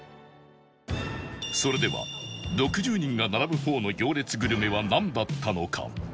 それでは６０人が並ぶ方の行列グルメはなんだったのか？